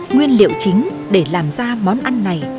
nguyên liệu chính để làm ra món ăn này